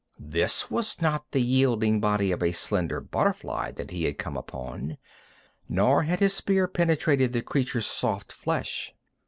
This was not the yielding body of a slender butterfly that he had come upon, nor had his spear penetrated the creature's soft flesh.